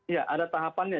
ya ada tahapannya